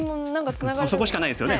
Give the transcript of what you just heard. そこしかないですよね